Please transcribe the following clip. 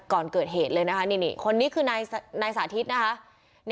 ก่อนเกิดเหตุเลยนะคะนี่คนนี้คือนายสาธิตนะคะ